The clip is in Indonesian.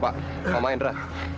pak pak mahendra